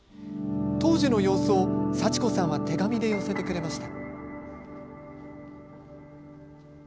当時の様子を、幸子さんは手紙で寄せてくれました。